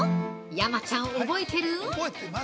山ちゃん覚えてる？